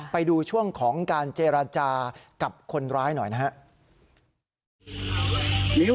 ไปดูช่วงของการเจรจากับคนร้ายหน่อยนะครับ